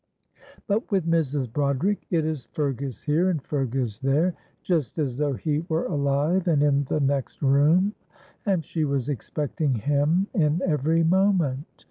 "But with Mrs. Broderick it is 'Fergus here' and 'Fergus there,' just as though he were alive and in the next room, and she was expecting him in every moment.